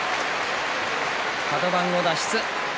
カド番を脱出。